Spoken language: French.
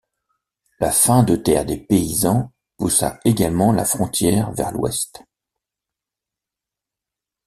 La faim de terre des paysans poussa également la frontière vers l'ouest.